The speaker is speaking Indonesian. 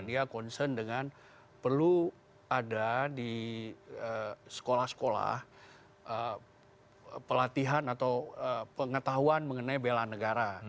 dia concern dengan perlu ada di sekolah sekolah pelatihan atau pengetahuan mengenai bela negara